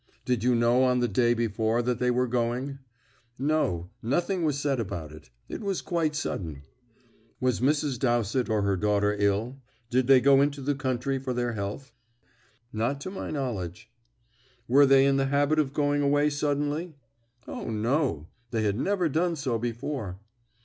"Did you know on the day before that they were going?" "No, nothing was said about it. It was quite sudden." "Was Mrs. Dowsett or her daughter ill? Did they go into the country for their health?" "Not to my knowledge." "Were they in the habit of going away suddenly?" "O, no; they had never done so before."